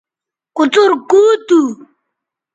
کوڅر کُو تھو